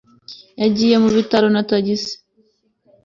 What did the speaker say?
yagiye mu bitaro na tagisi